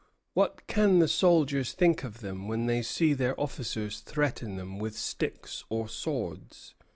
What can the soldiers think of them when they see their officers threaten them with sticks or swords?